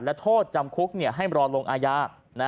และโทษจำคุกให้รอลงอาญา